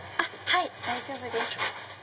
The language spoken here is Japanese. はい大丈夫です。